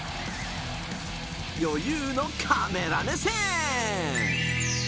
余裕のカメラ目線！